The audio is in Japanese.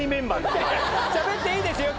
しゃべっていいですよ。